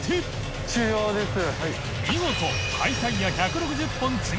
▲蕁終了です。